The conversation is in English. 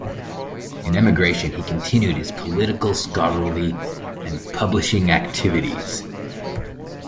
In emigration he continued his political, scholarly and publishing activities.